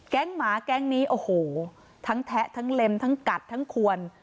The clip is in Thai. หมาแก๊งนี้โอ้โหทั้งแทะทั้งเล็มทั้งกัดทั้งควน